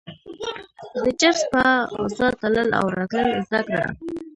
د جرس په اوزا تلل او راتلل زده کړه.